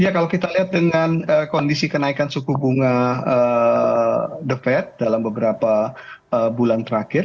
ya kalau kita lihat dengan kondisi kenaikan suku bunga the fed dalam beberapa bulan terakhir